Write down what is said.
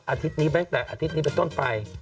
อาทิตย์นี้ตั้งแต่อาทิตย์นี้เป็นต้นไป